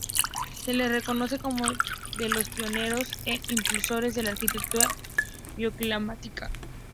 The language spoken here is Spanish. Se les reconoce como de los pioneros e impulsores de la arquitectura bioclimática.